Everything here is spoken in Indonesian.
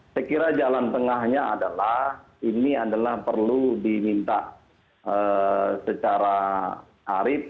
saya kira jalan tengahnya adalah ini adalah perlu diminta secara arif